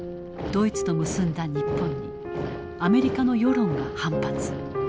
ドイツと結んだ日本にアメリカの世論は反発。